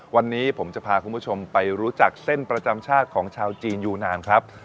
วันนี้ผมจะพาคุณผู้ชมไปรู้จักเส้นประจำชาติของชาวจีนยูนานครับ